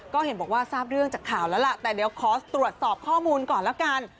ก็เห็นบอกว่าทราบเรื่องจากข่าวแล้วล่ะแต่เดี๋ยวขอตรวจสอบข้อมูลก่อนแล้วกัน